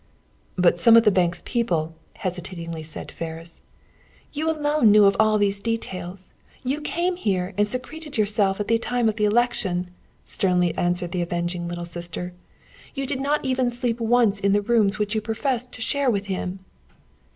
"By some of the bank's people," hesitatingly said Ferris. "You alone knew all of these details! You came here and secreted yourself at the time of the election," sternly answered the avenging Little Sister. "You did not even sleep once in the rooms which you professed to share with him!"